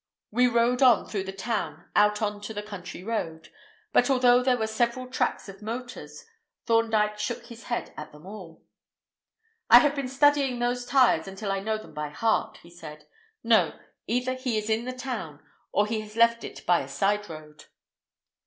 We rode on through the town out on to the country road; but although there were several tracks of motors, Thorndyke shook his head at them all. "I have been studying those tyres until I know them by heart," he said. "No; either he is in the town, or he has left it by a side road."